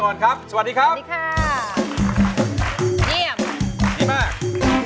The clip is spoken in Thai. ก่อนครับสวัสดีครับ